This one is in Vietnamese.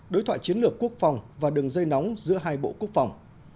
đối thoại chiến lược quốc phòng và đường dây nóng giữa hai bộ quốc phòng